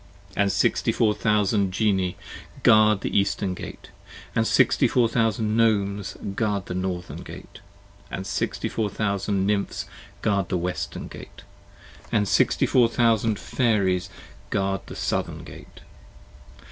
And sixty four thousand Genii, guard the Eastern Gate: And sixty four thousand Gnomes, guard the Northern Gate: And sixty four thousand Nymphs, guard the Western Gate: And sixty four thousand Fairies, guard the Southern Gate.